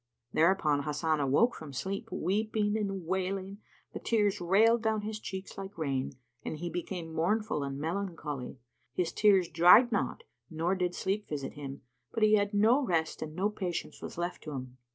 Thereupon Hasan awoke from sleep, weeping and wailing, the tears railed down his cheeks like rain and he became mournful and melancholy; his tears dried not nor did sleep visit him, but he had no rest, and no patience was left to him.